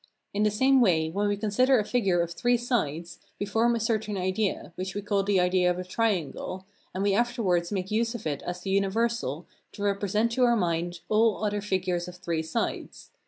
In the same way, when we consider a figure of three sides, we form a certain idea, which we call the idea of a triangle, and we afterwards make use of it as the universal to represent to our mind all other figures of three sides.